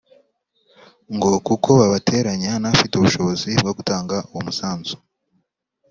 ngo kuko babateranya n’abafite ubushobozi bwo gutanga uwo musanzu